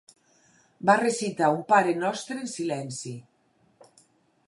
Va recitar un Pare nostre en silenci.